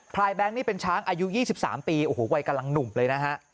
ลายแบงค์นี่เป็นช้างอายุ๒๓ปีโอ้โหวัยกำลังหนุ่มเลยนะฮะ